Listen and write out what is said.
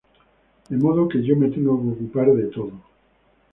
De modo que yo me tengo que ocupar de todo".